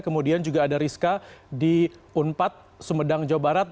kemudian juga ada rizka di unpad sumedang jawa barat